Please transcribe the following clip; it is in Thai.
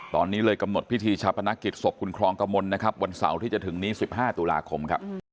ตอนนี้เลยกำหนดพิธีชาพนักกิจศพคุณครองกมลนะครับวันเสาร์ที่จะถึงนี้๑๕ตุลาคมครับ